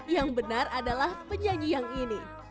yang benar adalah penyanyi yang ini